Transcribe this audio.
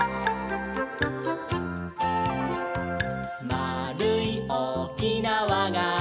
「まあるいおおきなわがあれば」